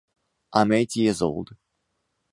I am eight years old.